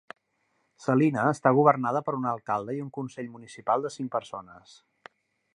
Salina està governada per un alcalde i un consell municipal de cinc persones.